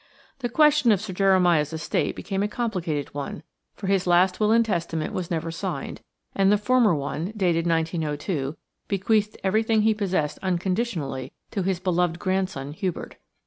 The question of Sir Jeremiah's estate became a complicated one, for his last will and testament was never signed, and the former one, dated 1902, bequeathed everything he possessed unconditionally to his beloved grandson Hubert.